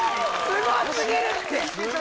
すごすぎるって！